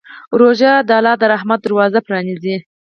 روژه د الله د رحمت دروازه پرانیزي.